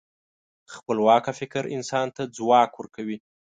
خپلواکه فکر انسان ته ځواک ورکوي.